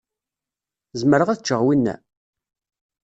Zemreɣ ad ččeɣ winna?